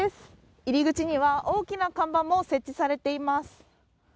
入り口には大きな看板も設置されています。